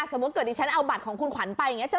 สมมุติเกิดดิฉันเอาบัตรของคุณขวัญไปอย่างนี้